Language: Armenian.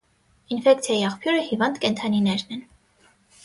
Ինֆեկցիայի աղբյուրը հիվանդ կենդանիներն են։